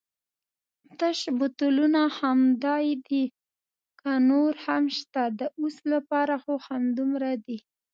تش بوتلونه همدای دي که نور هم شته؟ د اوس لپاره خو همدومره دي.